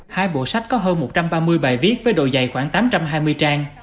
hai bộ sách có hơn một trăm ba mươi bài viết với độ dày khoảng tám trăm hai mươi trang